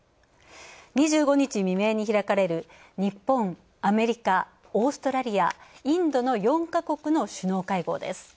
２５日未明に開かれる日本、アメリカ、オーストラリア、インドの４か国の首脳会合です。